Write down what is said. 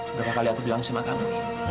berapa kali aku bilang sama kamu